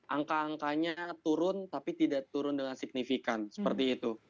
angka angkanya turun tapi tidak turun dengan signifikan seperti itu